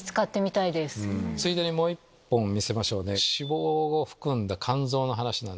ついでにもう１本見せましょうね。